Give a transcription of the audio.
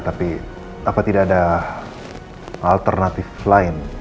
tapi apa tidak ada alternatif lain